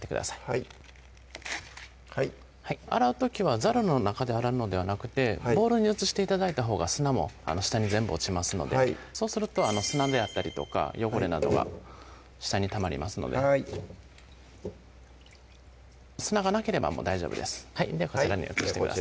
はい洗う時はざるの中で洗うのではなくてボウルに移して頂いたほうが砂も下に全部落ちますのでそうすると砂であったりとか汚れなどが下にたまりますので砂がなければもう大丈夫ですではこちらに移してください